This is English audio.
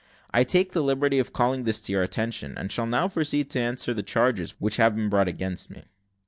I take the liberty of calling this to your attention, and shall now proceed to answer the charges which have been brought against me.